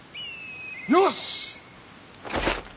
よし！